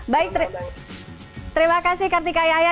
baik terima kasih kartika yahya